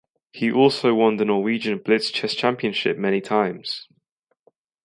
Also he won the Norwegian Blitz Chess Championships many times.